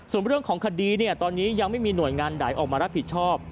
ส่วนเรื่องของคดีตอนนี้ยังไม่มีหน่วยงานไหนออกมารับผิดชอบ